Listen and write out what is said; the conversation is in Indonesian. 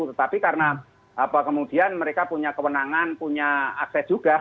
tetapi karena kemudian mereka punya kewenangan punya akses juga